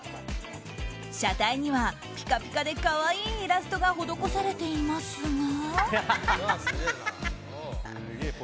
車体にはピカピカで可愛いイラストが施されていますが。